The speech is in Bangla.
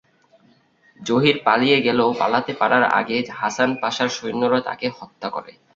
জহির পালিয়ে গেলেও পালাতে পারার আগে হাসান পাশার সৈন্যরা তাকে হত্যা করে।